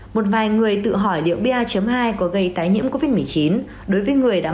một vài người tự hỏi liệu ba hai có gây tái nhiễm covid một mươi chín